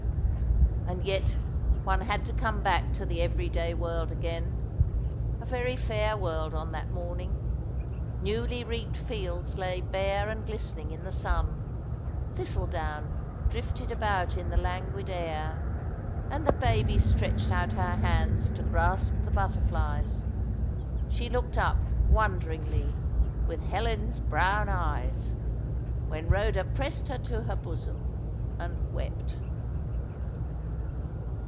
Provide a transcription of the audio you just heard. And yet one had to come back to the everyday world again a very fair world on that morning. Newly reaped fields lay bare and glistening in the sun; thistle down drifted about in the languid air, and the baby stretched out her hands to grasp the butterflies. She looked up, wonderingly, with Helen's brown eyes, when Rhoda pressed her to her bosom and wept.